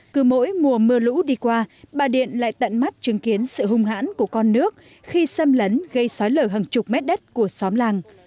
cứ mỗi mùa mưa lũ đi qua bà điện lại tận mắt chứng kiến sự hung hãn của con nước khi xâm lấn gây sói lở hàng chục mét đất của xóm làng